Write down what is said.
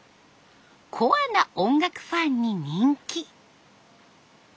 コアな音楽ファンに人気。